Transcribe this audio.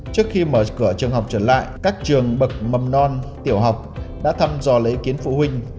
trước khi mở cửa trường học trở lại các trường bậc mầm non tiểu học đã thăm dò lấy ý kiến phụ huynh